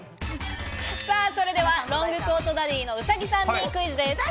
それではロングコートダディの兎さんにクイズです。